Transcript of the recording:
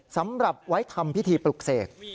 สำหรับไว้ทำพิธีปลุกเสก